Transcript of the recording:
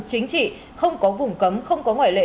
chính trị không có vùng cấm không có ngoại lệ